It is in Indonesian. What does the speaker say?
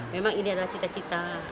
memang ini adalah cita cita